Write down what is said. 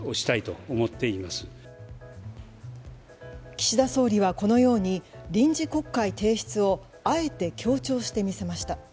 岸田総理はこのように臨時国会提出をあえて強調してみせました。